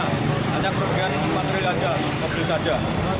hanya kerugian material saja mobil saja